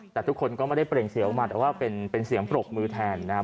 แต่ทุกคนก็ไม่ได้เปล่งเสียงออกมาแต่ว่าเป็นเสียงปรบมือแทนนะครับ